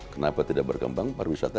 kenapa tidak berkembang pariwisata